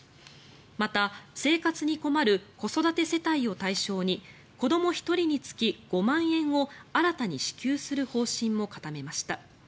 また、生活に困る子育て世帯を対象に子ども１人につき５万円を新たに支給する方針も固めました。